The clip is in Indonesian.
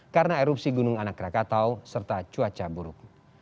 karena erupsi gunung anak krakatau serta cuaca buruk